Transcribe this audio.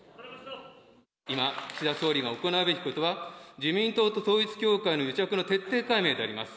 今、岸田総理が行うべきことは、自民党と統一教会の癒着の徹底解明であります。